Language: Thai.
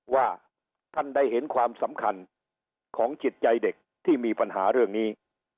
ว่าท่านได้เห็นความสำคัญของจิตใจเด็กที่มีปัญหาเรื่องนี้